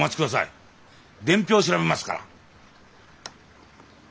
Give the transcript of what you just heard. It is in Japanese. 伝票調べますから。